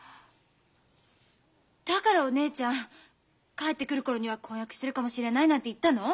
だからお姉ちゃん帰ってくる頃には婚約してるかもしれないなんて言ったの？